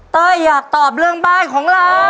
อยากตอบเรื่องบ้านของเรา